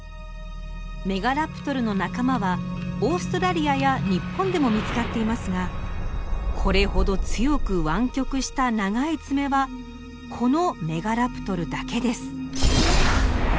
メガラプトルの仲間はオーストラリアや日本でも見つかっていますがこれほど強く湾曲した長い爪はこのメガラプトルだけです。